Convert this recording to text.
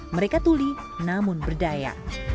mereka tuli namun berdaya